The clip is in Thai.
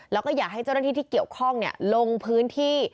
แล้วก็อยากให้เจ้าหน้าที่ที่เกี่ยวข้องลงพื้นที่